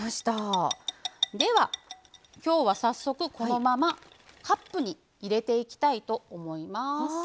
では、きょうは、早速このままカップに入れていきたいと思います。